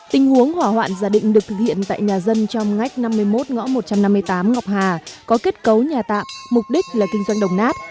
tình huống hỏa hoạn gia đình được thực hiện tại nhà dân trong ngách năm mươi một ngõ một trăm năm mươi tám ngọc hà có kết cấu nhà tạm mục đích là kinh doanh đồng nát